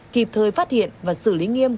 kịp thời phát hiện và xử lý nghiêm